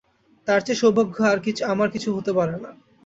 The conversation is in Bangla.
তার চেয়ে সৌভাগ্য আমার কিছু হতে পারে না।